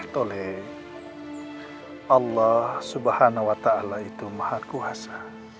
tuhli allah subhanahu wa ta'ala itu maha kuasa